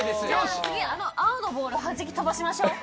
次あの青のボールはじき飛ばしましょう。